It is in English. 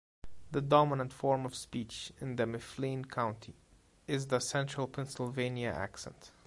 The dominant form of speech in Mifflin County is the Central Pennsylvania accent.